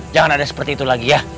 jangan ada seperti itu lagi ya